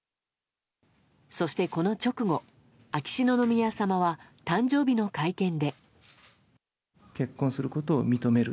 そして、この直後秋篠宮さまは誕生日の会見で。